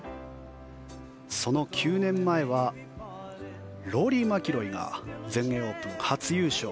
その９年前はローリー・マキロイが全英オープン初優勝。